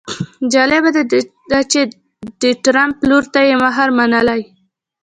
جالبه ده چې د ټرمپ لور ته یې مهر منلی.